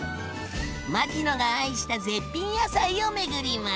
牧野が愛した絶品野菜を巡ります。